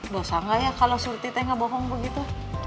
bosan gak ya kalau surti teh enggak bohong begitu